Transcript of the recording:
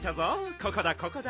ここだここだ。